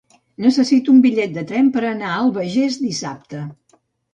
Necessito un bitllet de tren per anar a l'Albagés dissabte.